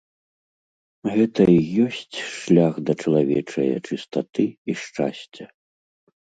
Гэта і ёсць шлях да чалавечае чыстаты і шчасця.